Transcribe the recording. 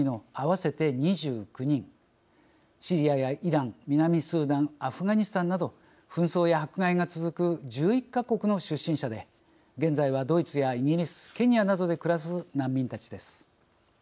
シリアやイラン南スーダンアフガニスタンなど紛争や迫害が続く１１か国の出身者で現在はドイツやイギリスケニアなどで暮らす難民たちです。